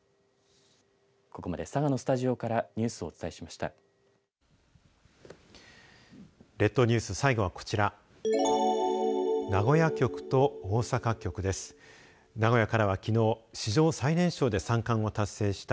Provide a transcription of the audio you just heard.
ここまで佐賀のスタジオからニュースをお伝えしました。